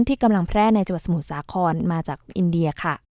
ที่กำลังแพร่ในเจวสมุทรสาขอนมาจากอินเดียค่ะ